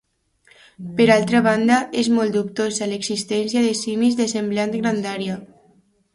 Per altra banda, és molt dubtosa l'existència de simis de semblant grandària.